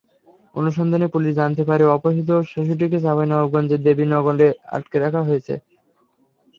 অনুসন্ধানে পুলিশ জানতে পারে অপহৃত শিশুটিকে চাঁপাইনবাবগঞ্জের দেবীনগরে আটকে রাখা হয়েছে।